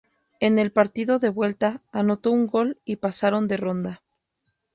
En el partido de vuelta, anotó un gol y pasaron de ronda.